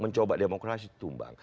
mencoba demokrasi tumbang